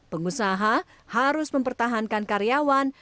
pengusaha harus mempertahankan karyawan